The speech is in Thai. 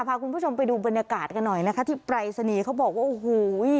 พาคุณผู้ชมไปดูบรรยากาศกันหน่อยนะคะที่ปรายศนีย์เขาบอกว่าโอ้โห